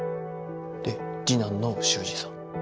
で次男の修二さん。